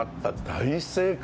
大正解！